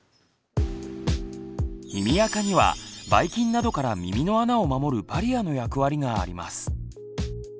耳あかにはばい菌などから耳の穴を守るバリアの役割があります。